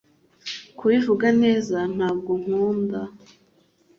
Kubivuga neza, ntabwo nkunda.